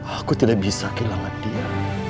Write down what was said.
aku tidak bisa kehilangan dia